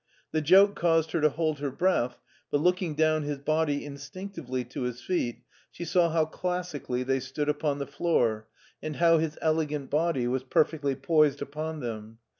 The joke caused her to hold her Breath, but looking down his body instinctively to his feet, she saw how classically they stood upon the floor and how his elegant body was perfectly poised upon them.